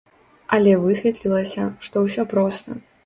Але высветлілася, што ўсё проста.